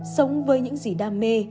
sống với những gì đam mê